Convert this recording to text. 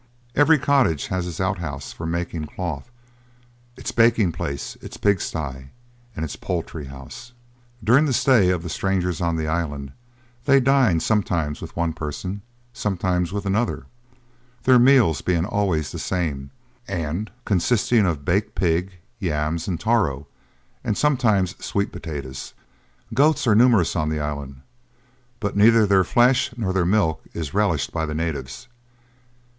Every cottage has its out house for making cloth, its baking place, its pig sty, and its poultry house. During the stay of the strangers on the island, they dined sometimes with one person, and sometimes with another, their meals being always the same, and consisting of baked pig, yams, and taro, and sometimes sweet potatoes. Goats are numerous on the island, but neither their flesh nor their milk is relished by the natives.